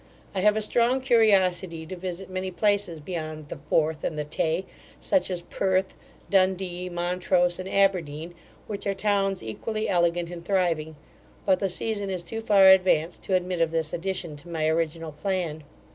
I have a strong curiosity to visit many places beyond the Forth and the Tay, such as Perth, Dundee, Montrose, and Aberdeen, which are towns equally elegant and thriving; but the season is too far advanced to admit of this addition to my original plan.